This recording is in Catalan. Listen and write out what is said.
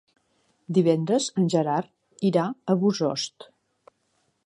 Divendres en Gerard irà a Bossòst.